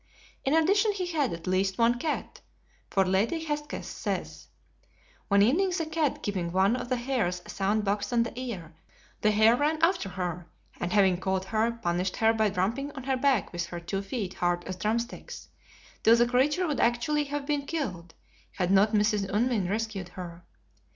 In addition he had, at least, one cat, for Lady Hesketh says, "One evening the cat giving one of the hares a sound box on the ear, the hare ran after her, and having caught her, punished her by drumming on her back with her two feet hard as drumsticks, till the creature would actually have been killed had not Mrs. Unwin rescued her."